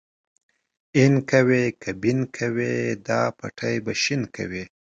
اين کوې که بېن کوې دا پټی به شين کوې.